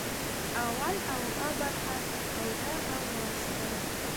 Ауан ауға барһа, ауҙа ғауға сыға.